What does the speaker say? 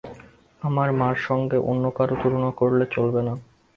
আমার মার সঙ্গে অন্য-কারো তুলনা করলে চলবে না।